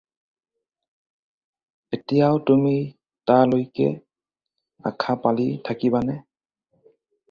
এতিয়াও তুমি তালৈকে আশা পালি থাকিবানে?